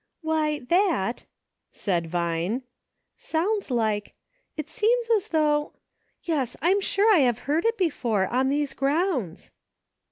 Why, that," said Vine, " sounds like — it seems as though — yes, I am sure I have heard it before, on these grounds